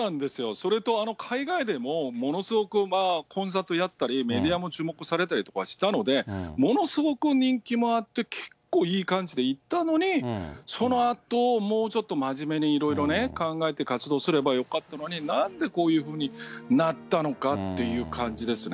それと、海外でもものすごくコンサートやったり、メディアにも注目されたりとかしたので、ものすごく人気もあって、結構いい感じでいったのに、そのあと、もうちょっと真面目にいろいろね、考えて活動すればよかったのに、なんでこういうふうになったのかっていう感じですね。